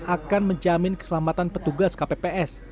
akan menjamin keselamatan petugas kpps